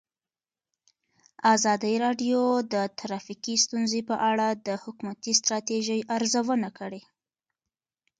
ازادي راډیو د ټرافیکي ستونزې په اړه د حکومتي ستراتیژۍ ارزونه کړې.